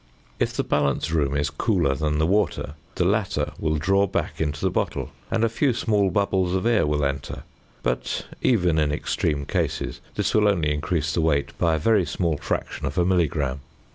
If the balance room is cooler than the water, the latter will draw back into the bottle, and a few small bubbles of air will enter; but even in extreme cases this will only increase the weight by a very small fraction of a milligram.